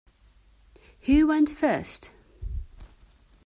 Who went first?